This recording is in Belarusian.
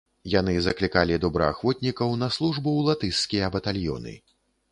Яны заклікалі добраахвотнікаў на службу ў латышскія батальёны.